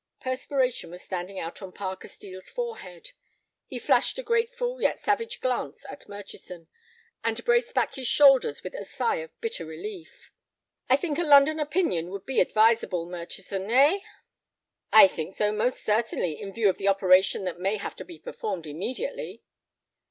Perspiration was standing out on Parker Steel's forehead. He flashed a grateful yet savage glance at Murchison, and braced back his shoulders with a sigh of bitter relief. "I think a London opinion would be advisable, Murchison, eh?" "I think so, most certainly, in view of the operation that may have to be performed immediately."